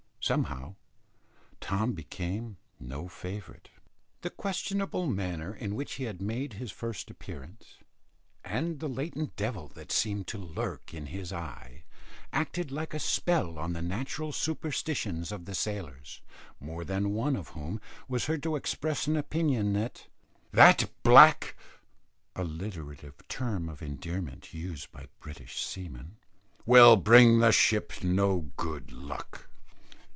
Somehow, Tom became no favourite. The questionable manner in which he had made his first appearance, and the latent devil that seemed to lurk in his eye, acted like a spell on the natural superstitions of the sailors, more than one of whom was heard to express an opinion that "That black (alliterative term of endearment used by British seamen) will bring the ship no good luck."